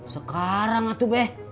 sekarang atu be